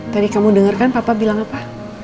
tadi kamu denger kan papa bilang apa